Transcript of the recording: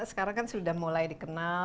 sekarang kan sudah mulai dikenal